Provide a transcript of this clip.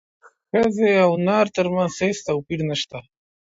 ښځې او نر ترمنځ هیڅ توپیر نشته